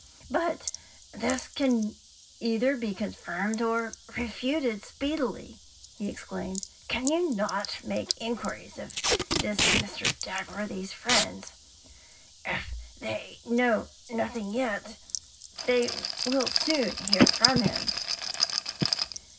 'But this can be either confirmed or refuted speedily,' he exclaimed. 'Can you not make inquiries of this Mr. Dagworthy's friends? If they know nothing yet, they will soon hear from him.'